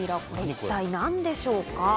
これ一体何でしょうか？